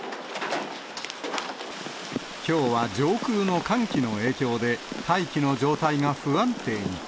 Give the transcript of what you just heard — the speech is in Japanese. きょうは上空の寒気の影響で、大気の状態が不安定に。